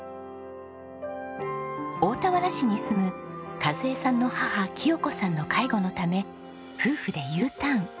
大田原市に住む和枝さんの母清子さんの介護のため夫婦でＵターン。